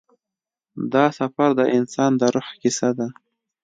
دا سفر د انسان د روح کیسه ده.